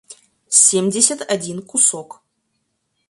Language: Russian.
семьдесят один кусок